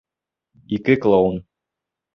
Ике клоун!